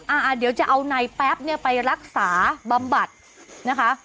เดี๋ยวจะเอานายแป๊บเนี่ยไปรักษาบำบัดนะคะ